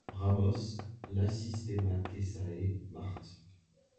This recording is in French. Ramos ~ Lacistemataceae Mart.